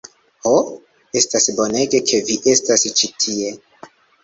Ho, estas bonege ke vi estas ĉi tie.